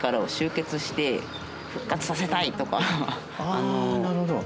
ああなるほど。